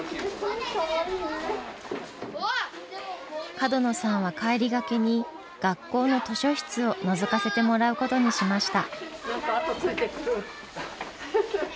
角野さんは帰りがけに学校の図書室をのぞかせてもらうことにしました。